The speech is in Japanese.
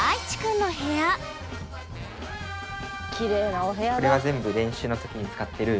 きれいなお部屋だ。